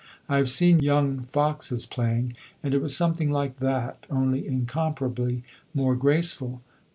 I have seen young foxes playing, and it was something like that, only incomparably more graceful.